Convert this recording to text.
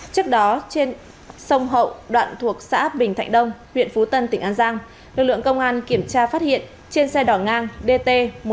trước đó trên sông hậu đoạn thuộc xã bình thạnh đông huyện phú tân tỉnh an giang lực lượng công an kiểm tra phát hiện trên xe đỏ ngang dt một mươi tám nghìn hai trăm ba mươi chín